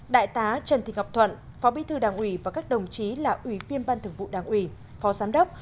đại tá trần thị ngọc thuận phó bí thư đảng ủy và các đồng chí là ủy viên ban thường vụ đảng ủy phó giám đốc